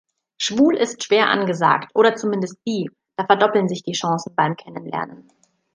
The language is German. Schwul ist schwer angesagt, oder zumindest „bi“, da verdoppeln sich die Chancen beim Kennenlernen.